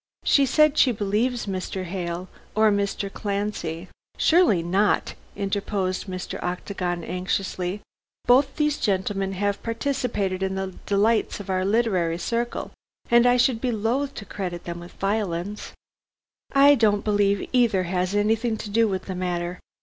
She said she believed Mr. Hale or Mr. Clancy " "Surely not," interposed Mr. Octagon anxiously, "both these gentlemen have participated in the delights of our literary Circle, and I should be loath to credit them with violence." "I don't believe either has anything to do with the matter.